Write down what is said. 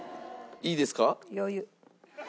いいですか？